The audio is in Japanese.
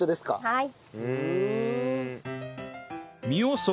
はい。